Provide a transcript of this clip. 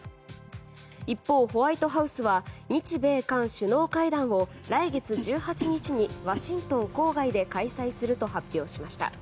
一方、ホワイトハウスは日米韓首脳会談を来月１８日にワシントン郊外で開催すると発表しました。